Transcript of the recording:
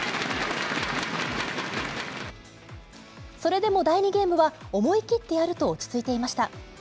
それでも第２ゲームは思い切ってやると落ち着いていました。